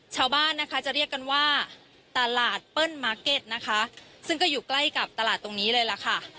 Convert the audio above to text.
ชาวบ้านนะคะจะเรียกกันว่าตลาดเปิ้ลมาร์เก็ตนะคะซึ่งก็อยู่ใกล้กับตลาดตรงนี้เลยล่ะค่ะ